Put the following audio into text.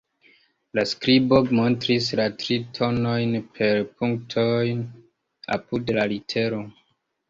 La skribo montris la tri tonojn per punktoj apud la litero.